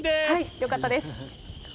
よかったです。